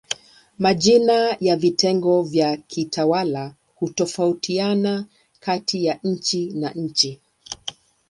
Majina ya vitengo vya kiutawala hutofautiana kati ya nchi na nchi.